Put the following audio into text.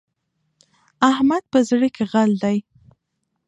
احمد په زړه کې غل دی.